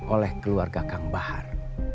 oleh keluarga kang bahar